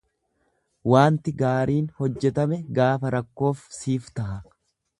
Waanti gaariin hojjetame gaafa rakkoof siif taha.